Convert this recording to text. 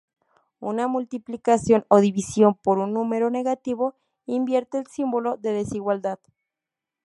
Una multiplicación o división por un número negativo invierte el símbolo de desigualdad.